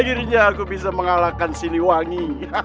akhirnya aku bisa mengalahkan sini wangi